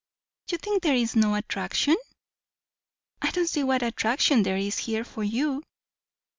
"You think there is no attraction?" "I don't see what attraction there is here for you."